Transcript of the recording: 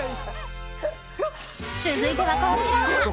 続いては、こちら。